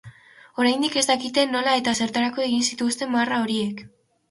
Oraindik ez dakite nola eta zertarako egin zituzten marra horiek.